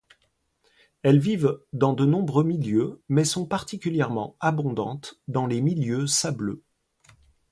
Elles vivent dans de nombreux milieux mais sont particulièrement abondantes dans les milieux sableux.